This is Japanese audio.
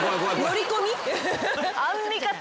乗り込み？